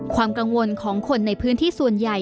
ความกังวลของคนในพื้นที่ส่วนใหญ่